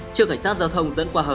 trước cảnh sát giao thông dẫn qua hà nội